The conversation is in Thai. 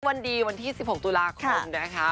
วันดีวันที่๑๖ตุลาคมนะคะ